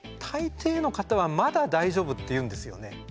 大抵の方はまだ大丈夫って言うんですよね。